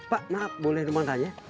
pak maaf boleh rumahnya